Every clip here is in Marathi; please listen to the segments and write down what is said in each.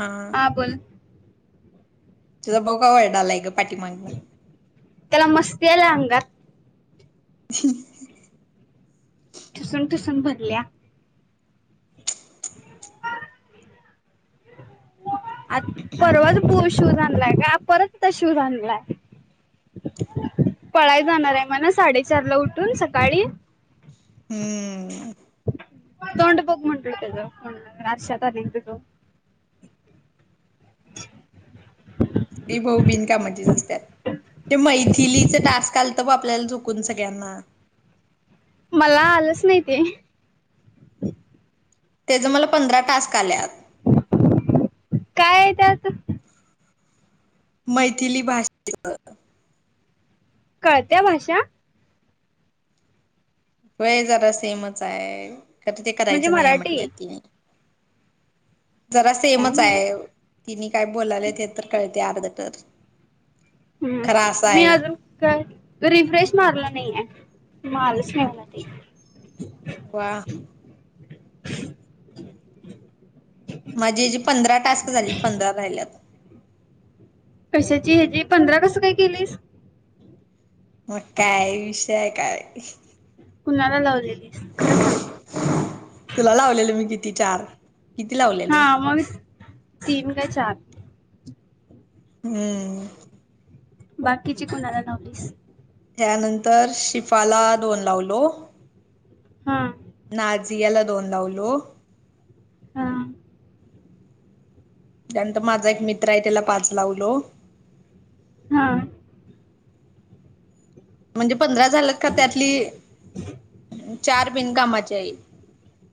हा काबल तुझं बघ वार्डायलंय का पाठीमागणं त्याला मस्ती याला अंगात ह ठसून ठसून भरल्या आ परवत पू शू आणलाय का परत शू आणलाय पळाय जाणार आहे म्हण साडेचार ला उठून सकाळी हम्म तोंड बोक म्हंटलं तचा रशात आले त तो स भाऊ बिनका म्ह असतात ते मैथिलीच टास्क आपल्याला झुकून सगळ्यांना मला आलंच नाही ते त्याचा मला पंधरा टास्क आलेत काय आहे त्यात मैथिली भाषे कळत्या भाषा होय जरा सेमच आहे ख तर ते म्हणजे करायचं नाही आहे मराठी म्हटलं तिने जरा काय सेमच आहे माहिती तिने काय बोलायले ते तर कळते अर्ध तर खरा हम् असा मी आहे अजून काय रिफ्रेश मारला नाही आहे मारचवला ते वा माझी जे पंधरा टास्क झाले, पंधरा राहिल्यात. कशाची हेजी पंधरा कसं काय केलीस? मग काय विषय काय. कुणाला लावलेली खरं सांग. तुला लावलेलं मी किती चार. किती हा लावलेलो. मग तीन काय चार‌. हम्म! बाकीची कोणाला लवलीस‌? त्यानंतर शिफाला दोन लावलो, हा. नाझियाला दोन लावलो, हा. त्यानंतर माझा एक मित्र आहे त्याला पाच लावलो. हा. म्हणजे पंधरा झालं का त्यातली चार बिनकामाची आहित.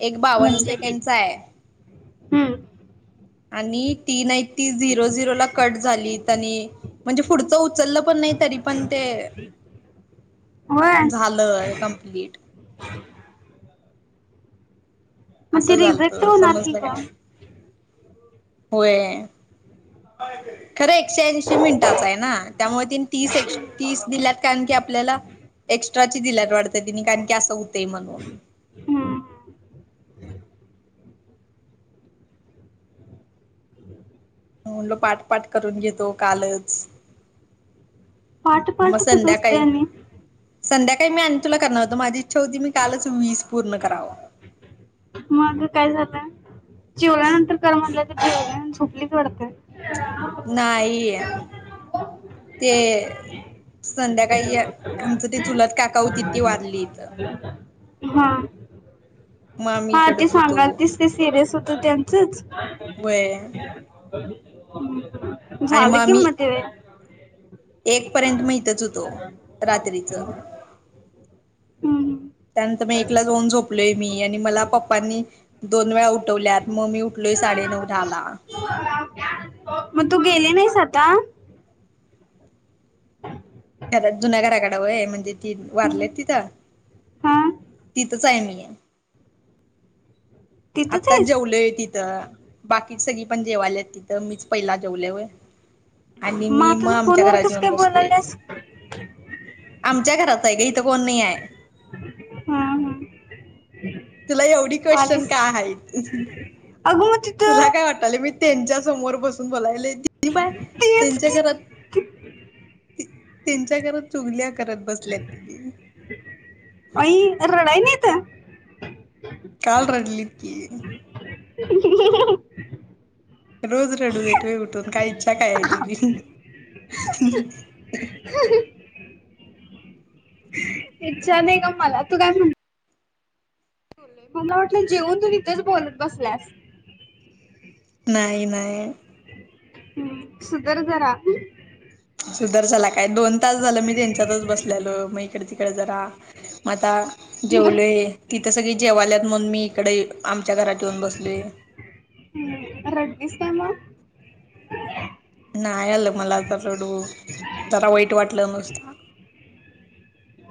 एक बावन्न म्हणजे बी सेकंडचा आहे. हम्म आणि तीन आहीत ती झिरो झिरो ला कट झाली आणि म्हणजे पुढचं उचललं पण नाही तरी पण ते, होय झालंय कंप्लीट. मग ते असं झालत रिजेक्ट होणार की समजलं ग काय. होय खरं एकशे ऐंशी मिनिटाच आहे ना. त्यामुळे तिने तीस ए तीस दिल्यात कारण की आपल्याला. एक्स्ट्राची दिल्यात वाटत तिने कारण की असं होतंय म्हणून. हम्म म्हलो पाठपाठ करून घेतो कालच. पाठ मग पाठ करत असते संध्याकाळी. आणि संध्याकाळी मी आणि तुला करणार होतं, माझी इच्छा होती मी कालच वीस पूर्ण करावं. मग काय झालं. जेवल्यानंतर कार म्हटलंय तर जेवलीस आणि झोपलीस वाटतं. नाहीय ते. संध्याकाळी आमचं ते चुलत काका होती ती वारली. [inaudible] हां. मग आम्ही हा ते इकडच होतो सांगाल तीस ते सिरियस होतं त्यांचंच. होय. आणि मग झालं कि आम्ही म ते. एक पर्यंत माहितच होतो रात्रीच. हम्म. त्यानंतर मग एकला जाऊन झोपलोय मी आणि मला पप्पांनी दोन वेळा उठवल्यात मग् ममी उठलोय साडे नऊ- दहाला. मग तू गेली नाहीस आता? ख जुन्या घराकड वय म्हणजे ती हम्म. वारलेत तिथं. हा तिथंच आहे मी. तिथंच आत्ता आहेस जेवलय तिथं बाकी सगळी पण जेवायल्या आहेत तिथं मीच पहिला जेवले हो. आणि मग मी आता म तू आमच्या फोनवर घरात कस येेऊन काय बसलोय. बोलायलास आमच्या घरात आहे का इथं कोण नाही आहे. हा, हा. तुला एवढी क्वेशचन काय आहे. अगं मग तुला तिथं काय वाटले मी, त्यांच्या समोर बसून बोलायले बाय तेच त्यांच्या की घरात. ती- त्यांच्या घरात चुगल्या करत बसल्यात ति. अई रडय नाहीेत. काल रडलित की. रोज रडू देतोय उठून काय इच्छा काय आहे तुझी. ह.. इच्छा नाही का मला तू काय म्ह मला वाटलं जेवन तू तिथंच बोलत बसल्यास. नाहीय, नाहीय. सुधर जरा. सुदर्शला काय दोन तास झालं मी त्यांच्यातच बसलेलो मग इकडे, तिकडे जरा म आता जेवलोय तिथं सगळी जेवाल्यात म्हणून मी इकडे आमच्या घरात येऊन बसलेय. हम्म. डिसेंबर. नाही आल मला वाटला तो त्याला वाईट वाटल.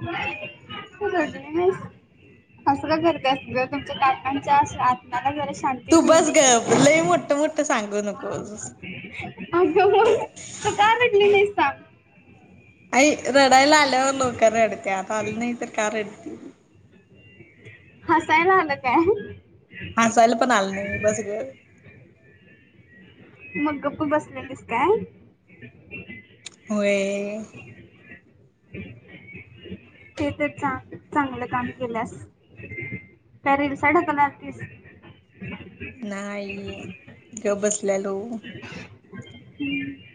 ह [unintelligible] तु रडली नाहीस. असलं करतात ग तुमच्या काकांच्या आत्माला जरा शांती तू मिळू बस दे की गप लई मोठ, मोठ सांगू नकोस. अग मग का रडली नाही सांग. अईक रडाईला आल्यावर लोक रडत्यात आल नाही इ तर का रडती. हसाय आलं काय? हसायला पण आलं नाही बस ग. मग गप्पू बसनार आहेस काय? होय.. ते तर चां चांगलं काम केल्यास काय रेलसा ढकला किस नाही ग बसलेलो. हम्म‌.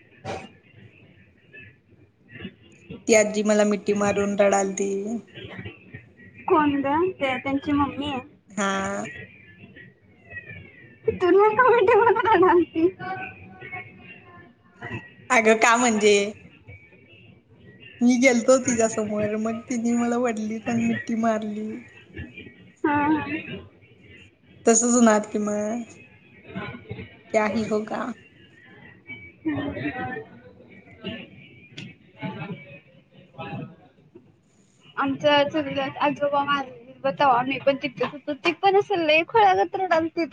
ती आजी मला मिठी मारून रडालती. कोण ग? ते त्यांची मम्मी. हा.. तुला का मिठी मारुन रडालती? अगं का म्हणजे. मी गेलतो तिच्यासमोर मग तिने मला वडली आणि मिट्टी मारली. हम्म, हम्म. तसं होनार की म कही होगा. ह [unintelligible] आमचा सगळ्यात आजोबा वारले. बताववा मी पण ती अस तीप पण असल खळग्यात रडालते.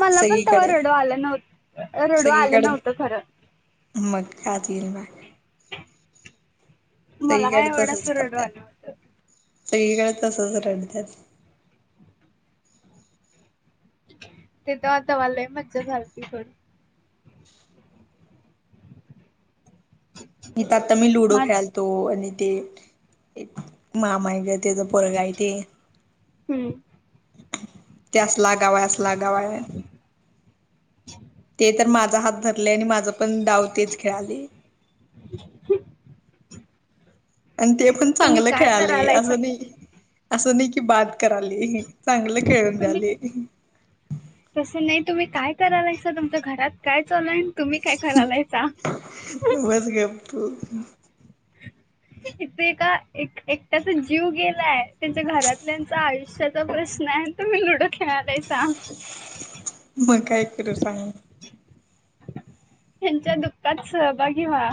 मला पण तेव्हा सगळीकडे रडु आलं नव्ह रडु आलं सगळीकडे नव्हतं खरं. मग का [unintelligible] बा मला काय सईकडे एवढं तसच असं रडू करत्यात, आलं नव्हतं सईकडे तसच रडतात. तेथ आतावालाही मच झालय तिखट. नाही तर आता मी लुडो मग खेळल तो आणि ते एक मामा त्याचा पोरगाय ते. हम्म. त्यास लागावा, अस लागावाय. ते तर माझा हात धरले आणि माझं पण डाव तेच खेळाले. आणि ते पण तुम्ही चांगलं काय खेळाले करायलायसा असं नाही. असं नाही की बात कराली चांगलं खेळून तुम्ही द्याले. तसं नाही तुम्ही काय करालेस तुमच्या घरात काय चालाल? तुम्ही काय करालयसा. बस ग त इथे एका एक एकट्याचा जीव गेलाय त्यांच्या घरातल्याच आयुष्यात प्रश्न आहे तुम्ही लुडो खेळालाय सांग मग काय करू सांगजी युती त्यांच्या दुःखात सहभागी व्हा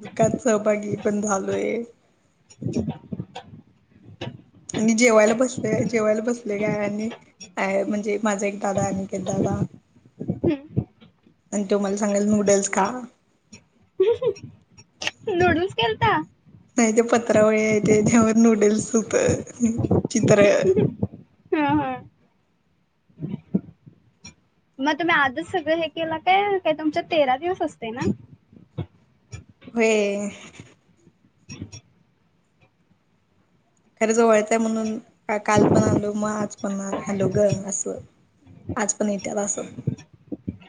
दुखात सहभागी पण झालोय ह आणि जेवायला बसले जेवायला बसले का आणि आहे म्हणजे माझा एक दादा अनिकेत दादा नु मसंगल नूडल्स का ह पडून केेलता नाही ते पत्रावळी येत त्यावर नूडल्स होत चित्र हा हा मग तुम्ही आजच सगळं हे केलं काय काही तुमच्या तेरा दिवस असते ना होय खरे ज वळतंय म्हणून काल पण आलो मग आज पण आलो ग असं आज पण येत्याला असत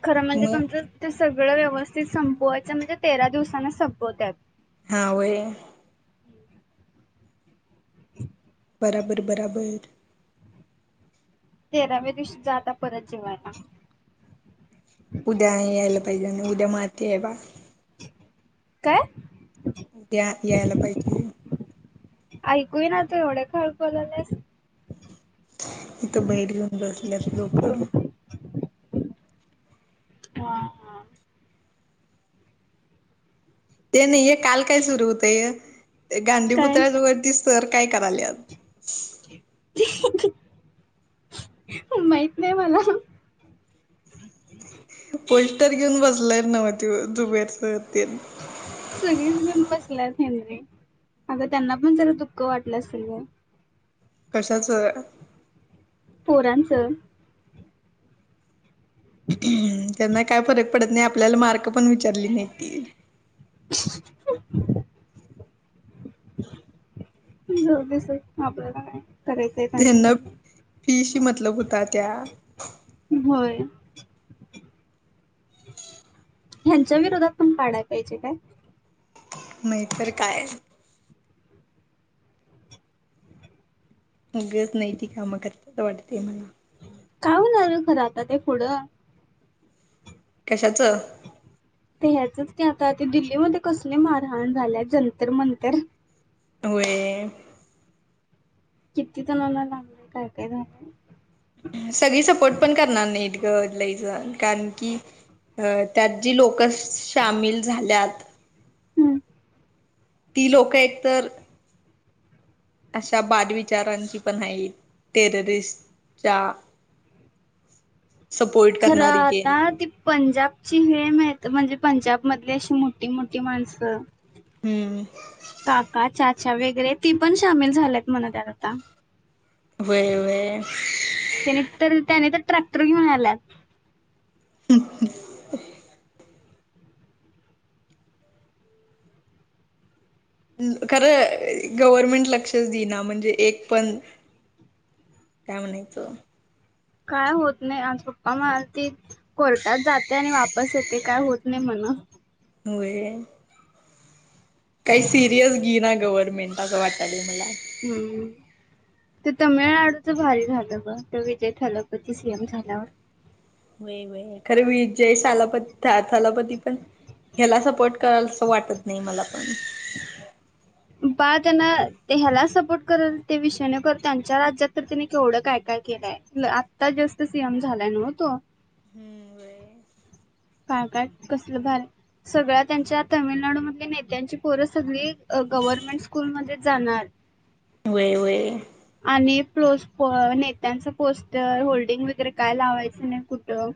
खरं म्हणजे तुमचं ते सगळं व्यवस्थित संपवायचं म्हणजे तेरा दिवसांना संपवतात हा व बराबर बराबर तेराव्या दिवशी जाता आता परत जेवायला उद्या यायला पाहिजे आणि उद्या माती आहे बा काय त्या यायला पाहिजे ऐकू ना तू एवढ्या हळू का बोललास इथं बैर घेऊन बसल्यात लोक ह ते नाहीय काल काय सुरू होतय काय गांधीपुत्राज वरती सर काय कराले माहित नाही मला पोस्टर घेऊन बसलाय नव्ह त जुबेरच सगळीच गण बसल्यात हेनरी अगं त्यांना पण जरा दुःख वाटलं असेल ग कशाच पोरांचं ह त्यांना काय फरक पडत नाही आपल्याला मार्क पण विचारली नाही त [unintelligible] जर दिस आपल्याला काय करायचं त्यांना फीशी मतलब होता त्या होय ह्यांच्या विरोधात पण काढाय पाहिजे काय मतर काय गज नाही त कामं करत वाटते मला का होणार र खरं आता ते पुढं कशाचं तर ह्याचच ते आता ते दिल्लीमध्ये कसले मारहाण झाल्या जंतर मंतर होय किती जणाला लागलं काय काय झालं सगळी सपोर्ट पण करणार नाही इतकं लईच कारण की अ त्यात जी लोक सामील झाल्यात हम्म ती लोकं एकतर अशा बादविचारांची पण आहे टेररिस्टच्या सपोर्ट खरं करणारी आता तेन ते पंजाबची हे मा म्हणजे पंजाब मधली अशी मोठी मोठी माणसं हम्म काका चाचा वगैरे ती पण सामील झाल्यात म्हणतत आता वय वय त्यानी तर त्याने तर ट्रॅक्टर घेऊन आलात हम् खरं गव्हर्मेंट लक्षच देना म्हणजे एक पण काय म्हणायचो काय होत नाही आज पप्पा म त कोर्टात जाते आणि वापस येत ते काय होत नाही म्हण होय काही सिरियस घी ना गव्हर्नमेंट असं वाटालं मला हम्म तर तमिळनाडूच भारी झालं ग तर विजय थलापती सीएम झाल्यावर वय वय खरे विजयथलापती थलापती पण ह्याला सपोर्ट कराल अस वाटत नाही मला पण बा त्यांना ह्याला सपोर्ट करल ते विषयने कर त्यांच्या राज्यात तर त्याने केवढं काय काय केलंय आत्ताजस्ट सीएम झालाय नवतो हम्म व्हय. काकाात कसलं भार सगळ्या त्यांच्या तमिळनाडूमधल्या नेत्यांची पोर सगळी गव्हर्नमेंट स्कूलमध्ये जाणार. व्हय व्हय. आणि पोस्प नेत्यांचं पोस्टर होल्डिंग वगैरे काय लावायचं नाही कुठं.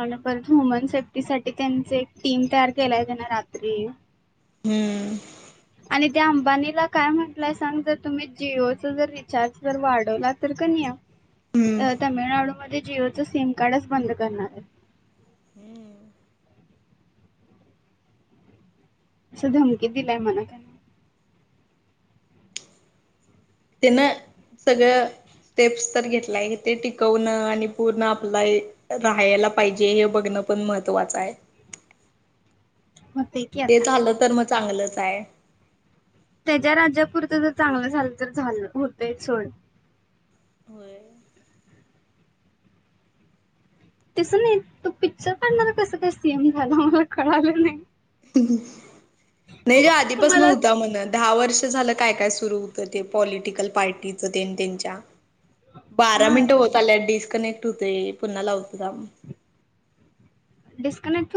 आणि परत वुमन सेफ्टी साठी त्यांच एक टीम तयार केलाय त्यां ना रात्री. हम् आणि त्या अंबानीला काय म्हटलंय सांग जर तुम्ही जिओच जर रिचार्जे जर वाढवला तर कणी हम्म. तमळनाडूमध्ये जिओ च सम कार्ड्स बंद करणार आहे हम्म. असं धमकी दिलाय मणा ते ना सगळं टेप्स तर घेतलाय ते टिकवणं आणि पूर्ण आपलाइन. राहायला पाहिजे हे बघणं पण महत्वाचं आहे. मते ते झालं तर मग चांगलंच आहे. त्याच्या राज्यापुरतं जर चांगलं झालं तर झालं होतंय सोड. होय तस नाही तो पिक्चर काढणार कसं काय सीएम झाला मला कळालं नाही. नाही जो आधीपासन मला व्हता मना दहा वर्ष झालं काय काय सुरु होतं ते पॉलिटिकल पार्टीच ते त्यांच्या बारा हा मिनिट होत आल्यात डिस्कनेक्ट होते पुन्हा लावत थांब. डिस्कनेक्ट